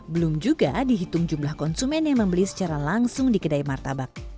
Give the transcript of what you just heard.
belum juga dihitung jumlah konsumen yang membeli secara langsung di kedai martabak